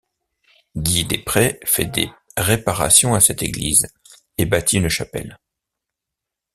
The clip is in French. Guy des Prés fait des réparations à cette église et bâtit une chapelle.